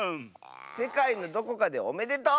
「せかいのどこかでおめでとう！」。